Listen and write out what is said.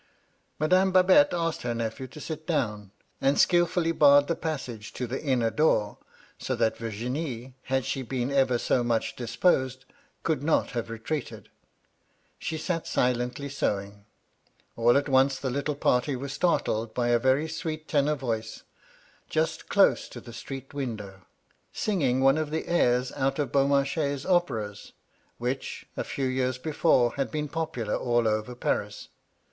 Madame Babette asked her nephew to sit down, and skilfully barred the passage to the inner door, so that Virginie, had she been ever so much dis posed, could not have retreated. She sat silently sewing. All at once the little party were startled by 144 MY LADY LUDLOW. a very sweet tenor voice, just close to the street window, singing one of the aurs out of Beaumarchais' operas, which, a few years before, had been popular all over Paris.